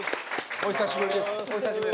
お久しぶりですどうも。